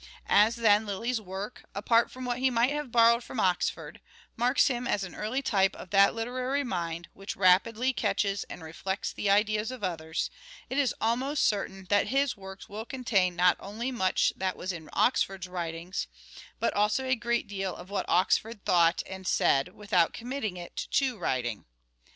As then Lyly's work, apart from what he might have borrowed from Oxford, marks him as an early type of that literary mind which rapidly catches and reflects the ideas of others, it is almost certain that his works will contain not only much that was in Oxford's writings, but also a great deal of what Oxford thought and said without committing it to writing.